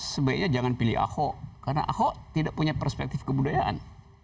sebaiknya jangan pilih ahok karena ahok tidak punya perspektif kebudayaan